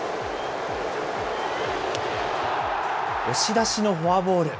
押し出しのフォアボール。